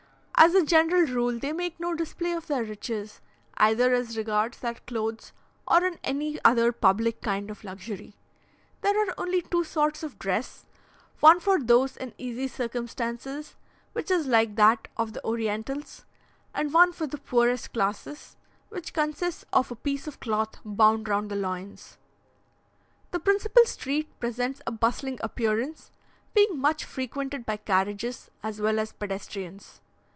As a general rule, they make no display of their riches, either as regards their clothes, or in any other public kind of luxury. There are only two sorts of dress one for those in easy circumstances, which is like that of the Orientals, and one for the poorest classes, which consists of a piece of cloth bound round the loins. The principal street presents a bustling appearance, being much frequented by carriages, as well as pedestrians.